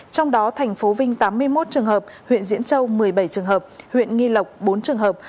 trong đó thành phố vinh tám mươi một trường hợp huyện diễn châu một mươi bảy trường hợp huyện nghi lộc bốn trường hợp